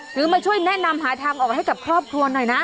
หรือมาช่วยแนะนำหาทางออกให้กับครอบครัวหน่อยนะ